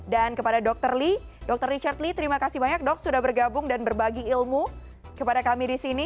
dan kepada dr lee dr richard lee terima kasih banyak dok sudah bergabung dan berbagi ilmu kepada kami di sini